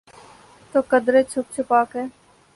تو قدرے چھپ چھپا کے۔